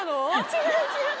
違う違う！